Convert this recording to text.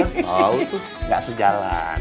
tau gak sejalan